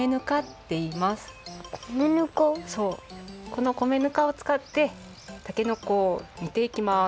この米ぬかをつかってたけのこを煮ていきます。